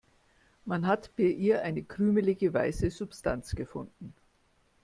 Man hat bei ihr eine krümelige, weiße Substanz gefunden.